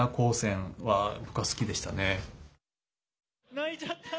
泣いちゃった。